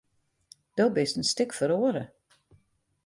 Do bist in stik feroare.